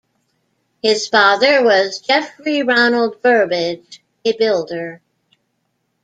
His father was Geoffrey Ronald Burbidge, a builder.